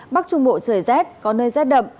bắc trung bộ trời rét có nơi rét đậm